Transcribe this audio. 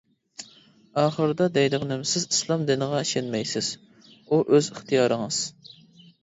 ئاخىرىدا دەيدىغىنىم، سىز ئىسلام دىنىغا ئىشەنمەيسىز، ئۇ ئۆز ئىختىيارىڭىز.